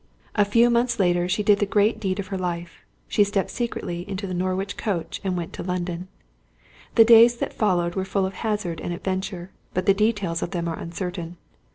A few months later she did the great deed of her life: she stepped secretly into the Norwich coach, and went to London. The days that followed were full of hazard and adventure, but the details of them are uncertain.